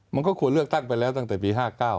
มันก็ควรเลือกตั้งไปแล้วตั้งแต่ปี๕๙